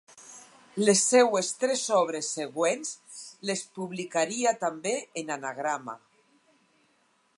Les seues tres obres següents les publicaria també en Anagrama.